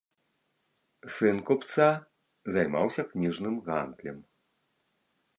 Сын купца, займаўся кніжным гандлем.